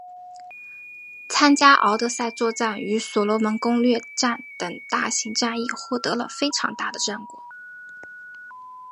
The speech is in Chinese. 参加敖德萨作战与所罗门攻略战等大型战役获得了非常大的战果。